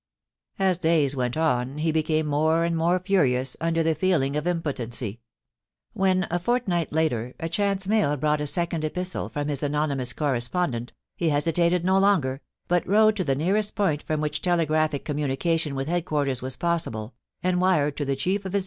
As days went on, he became more and more furious under the feeling of impotency. When, a fortnight later, a chance mail brought a second epistle from his anony mous correspondent, he hesitated no longer, but rode to the nearest point from which telegraphic communication with head quarters was possible, and wired to the chief of his 312 POUCY AND PASSION.